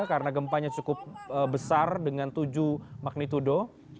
karena gempanya cukup besar dengan tujuh magnitudo